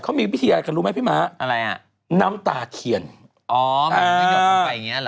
เขามีวิธีอะไรกันรู้ไหมพี่ม้าอะไรอ่ะน้ำตาเทียนอ๋อใช่หยดลงไปอย่างเงี้เหรอ